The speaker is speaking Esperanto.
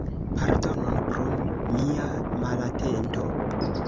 Pardonon pro mia malatento.